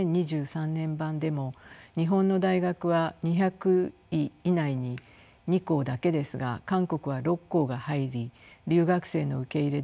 年版でも日本の大学は２００位以内に２校だけですが韓国は６校が入り留学生の受け入れでも日本に先行しています。